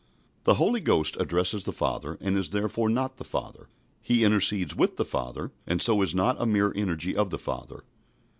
The Holy Ghost addresses the Father, and is therefore not the Father. He intercedes with the Father, and so is not a mere energy of the Father.